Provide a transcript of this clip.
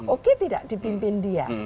oke tidak dipimpin dia